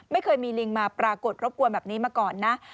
ไม่เคยมีลิงมาปรากฏรบกวนแบบนี้มาก่อนนะ